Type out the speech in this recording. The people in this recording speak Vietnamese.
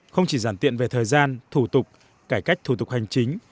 không chỉ giản tiện về thời gian thủ tục cải cách thủ tục hành chính